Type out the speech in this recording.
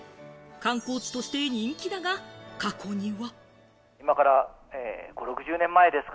観光地として人気だが、過去には。